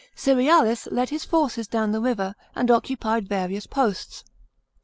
Cerealis led his forces down the river, and occupied various posts.